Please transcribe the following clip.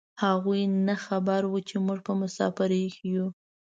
هغوی نه خبر و چې موږ په مسافرۍ کې یو.